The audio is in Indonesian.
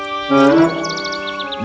untuk hidup dengan kaki kaki itu tuan pendek